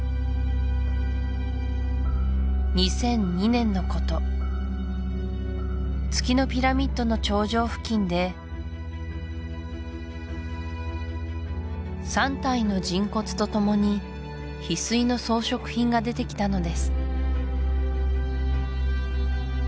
２００２年のこと月のピラミッドの頂上付近で３体の人骨とともにヒスイの装飾品が出てきたのです